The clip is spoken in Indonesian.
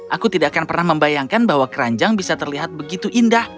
aku tidak akan pernah membayangkan bahwa keranjang bisa terlihat begitu indah